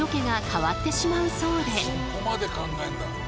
そこまで考えるんだ。